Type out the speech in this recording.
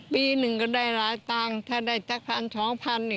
ปีหนึ่งก็ได้หลายตังค์ถ้าได้สักพันสองพันนี่